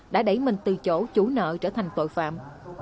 đã đẩy mình từ chỗ chủ nợ trở thành tội phạm